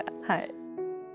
はい。